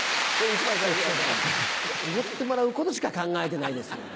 おごってもらうことしか考えてないです。